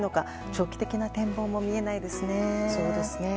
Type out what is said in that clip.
長期的な展望も見えないですね。